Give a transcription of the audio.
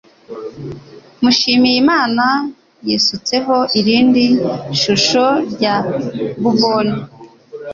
Mushimiyimana yisutseho irindi shusho rya bourbon.